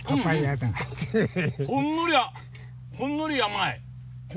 うんうんほんのり甘い。